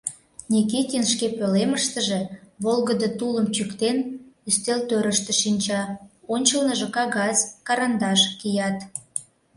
Никитин шке пӧлемыштыже, волгыдо тулым чӱктен, ӱстелтӧрыштӧ шинча, ончылныжо кагаз, карандаш кият.